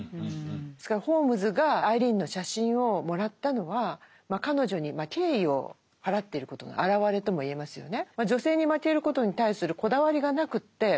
ですからホームズがアイリーンの写真をもらったのは彼女に敬意を払っていることの表れとも言えますよね。